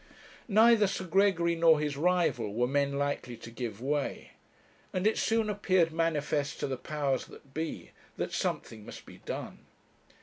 Neither Sir Gregory nor his rival were men likely to give way, and it soon appeared manifest to the powers that be, that something must be done.